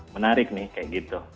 menarik nih kayak gitu